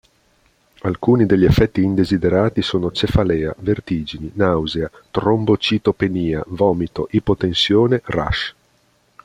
Alcuni degli effetti indesiderati sono cefalea, vertigini, nausea, trombocitopenia, vomito, ipotensione, rash.